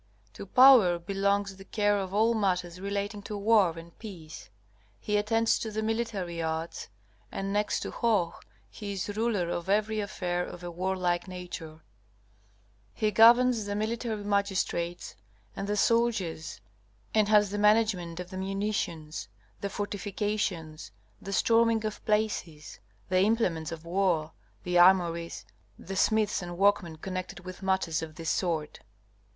To Power belongs the care of all matters relating to war and peace. He attends to the military arts, and, next to Hoh, he is ruler in every affair of a warlike nature. He governs the military magistrates and the soldiers, and has the management of the munitions, the fortifications, the storming of places, the implements of war, the armories, the smiths and workmen connected with matters of this sort.